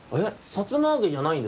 「さつまあげ」じゃないんですね。